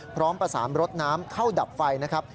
พร้อมประสานรถน้ำเข้าดับไฟนะครับ